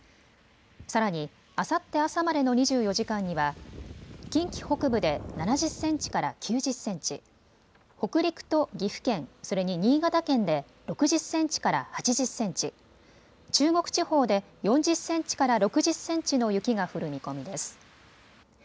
さらにあさって朝までの２４時間には近畿北部で７０センチから９０センチ、北陸と岐阜県、それに新潟県で６０センチから８０センチ、中国地方で４０センチから６０センチの雪が降る見込みです。